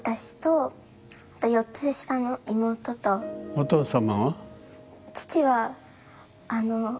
お父様は？